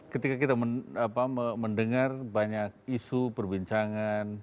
ketika kita mendengar banyak isu perbincangan